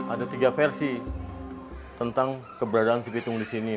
ada tiga versi tentang keberadaan si pitung di sini